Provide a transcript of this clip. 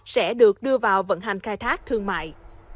sẽ được đưa vào vận hành khai thác thương mại